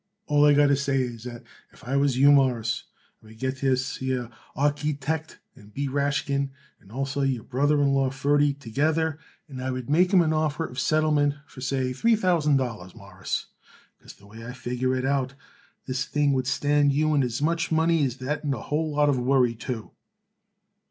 "All I got to say is that if I was you, Mawruss, I would get this here archy teck and B. Rashkin, and also your brother in law, Ferdy, together, and I would make 'em an offer of settlement for, say, three thousand dollars, Mawruss. Because the way I figure it out, this thing would stand you in as much money as that and a whole lot of worry, too."